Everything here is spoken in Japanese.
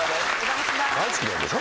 大好きなんでしょ？